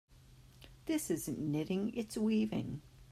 This isn't knitting, its weaving.